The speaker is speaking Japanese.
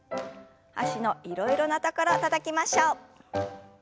脚のいろいろなところたたきましょう。